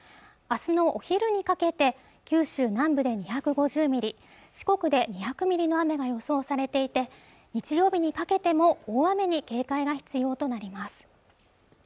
明日のお昼にかけて九州南部で２５０ミリ四国で２００ミリの雨が予想されていて日曜日にかけても大雨に警戒が必要となります